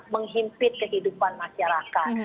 menghimpit kehidupan masyarakat